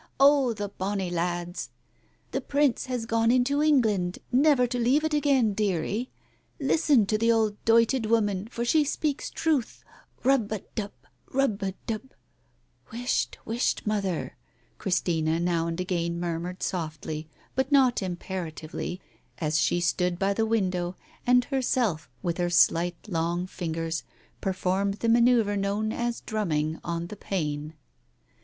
Oh, the bonny lads !... The Prince has gone into Eng land, never to leave it again, dearie. Listen to the old doited woman, for she speaks truth. Rub a dub !... Rub a dub! ..."" Whisht, whisht, mother !" Christina now and again murmured softly but not imperatively, as she stood by the window and herself with her slight long fingers performed the manoeuvre known as drumming on the pane.